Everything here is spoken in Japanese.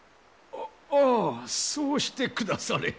ああそうしてくだされ。